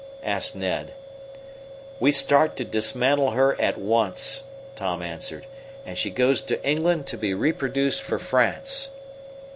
asked Ned. "We start to dismantle her at once," Tom answered, "and she goes to England to be reproduced for France."